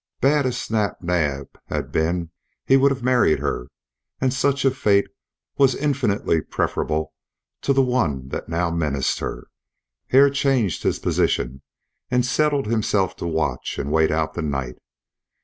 Bad as Snap Naab had been he would have married her, and such a fate was infinitely preferable to the one that now menaced her. Hare changed his position and settled himself to watch and wait out the night.